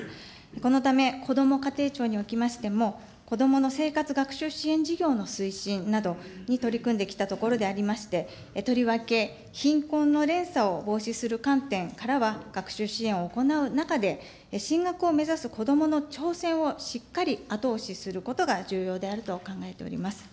このためこども家庭庁におきましても、子どもの生活学習支援事業の推進などに取り組んできたところでありまして、とりわけ貧困の連鎖を防止する観点からは、学習支援を行う中で、進学を目指す子どもの挑戦をしっかり後押しすることが重要であると考えております。